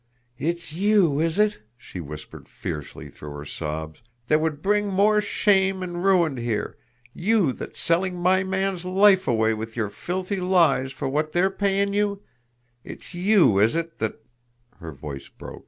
"It's you, is it," she whispered fiercely through her sobs "that would bring more shame and ruin here you that's selling my man's life away with your filthy lies for what they're paying you it's you, is it, that " Her voice broke.